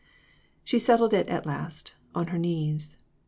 " She settled it at last, on her knees.